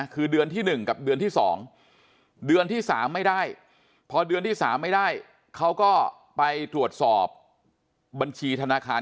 คือเดือนที่๑กับเดือนที่๒เดือนที่๓ไม่ได้พอเดือนที่๓ไม่ได้เขาก็ไปตรวจสอบบัญชีธนาคาร